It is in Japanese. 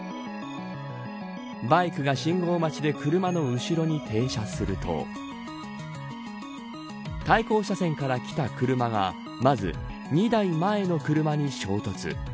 バイクが信号待ちで車の後ろに停車すると対向車線から来た車がまず、２台前の車に衝突。